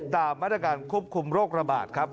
ตามมาตรการควบคุมโรคระบาดครับ